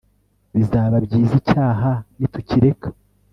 bizaba byiza icyaha ni tukireka